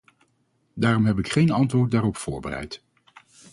Daarom heb ik geen antwoord daarop voorbereid.